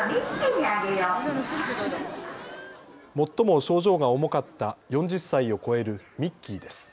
最も症状が重かった４０歳を超えるミッキーです。